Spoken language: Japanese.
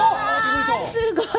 すごい！